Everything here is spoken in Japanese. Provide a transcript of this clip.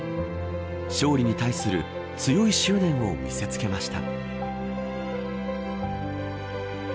勝利に対する強い執念を見せつけました。